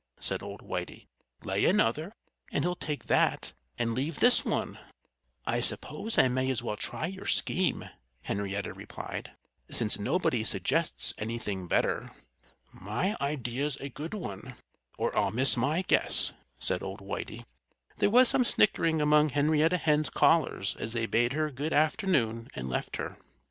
said old Whitey. "Lay another and he'll take that and leave this one." "I suppose I may as well try your scheme," Henrietta replied, "since nobody suggests anything better." "My idea's a good one, or I'll miss my guess," said old Whitey. There was some snickering among Henrietta Hen's callers as they bade her good afternoon and left her.